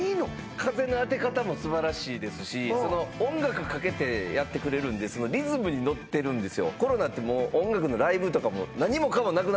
風の当て方も素晴らしいですしその音楽かけてやってくれるんでそのリズムに乗ってるんですよ